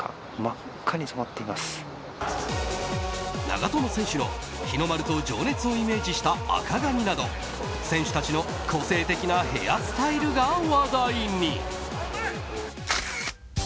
長友選手の、日の丸と情熱をイメージした赤髪など選手たちの個性的なヘアスタイルが話題に。